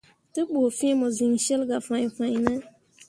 Te ɓu fĩĩ mo siŋ cil gah fãi fãine.